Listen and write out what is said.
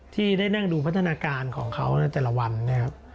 ที่ได้นั่งดูพัฒนาการของเขาในแต่ละวันนะครับ